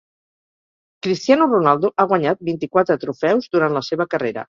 Cristiano Ronaldo ha guanyat vint-i-quatre trofeus durant la seva carrera.